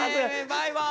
バイバイ。